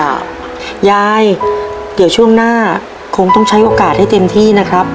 ยายเดี๋ยวช่วงหน้าคงต้องใช้โอกาสให้เต็มที่นะครับ